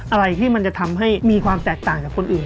อะไรที่มันจะทำให้มีความแตกต่างจากคนอื่น